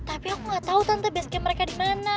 tapi aku gak tau tante basecamp mereka dimana